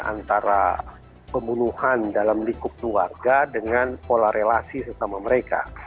antara pembunuhan dalam lingkup keluarga dengan pola relasi sesama mereka